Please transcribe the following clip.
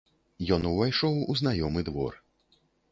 Ён увайшоў у знаёмы двор.